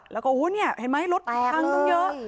แล้วก็เห็นไหมรถตังค์ต้องเยอะ